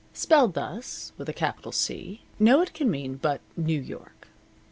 Spelled thus, with a capital C, know it can mean but New York.